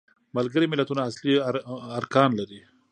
ملګري ملتونه اصلي ارکان لري.